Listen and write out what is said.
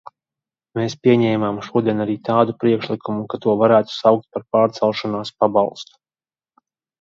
Mēs pieņēmām šodien arī tādu priekšlikumu, ka to varētu saukt par pārcelšanās pabalstu.